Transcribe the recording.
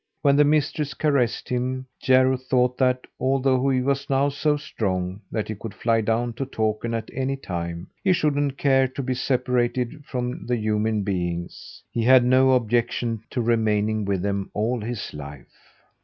When the mistress caressed him, Jarro thought that, although he was now so strong that he could fly down to Takern at any time, he shouldn't care to be separated from the human beings. He had no objection to remaining with them all his life.